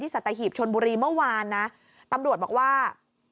สัตหีบชนบุรีเมื่อวานนะตำรวจบอกว่า